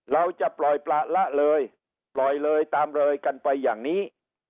เราจะปล่อยประละเลยปล่อยเลยตามเลยกันไปอย่างนี้